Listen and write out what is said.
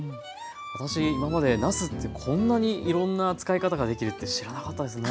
私今までなすってこんなにいろんな使い方ができるって知らなかったですね。